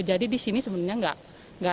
jadi di sini sebenarnya enggak repot